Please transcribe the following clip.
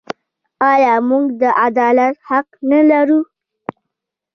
آیا موږ د عدالت حق نلرو؟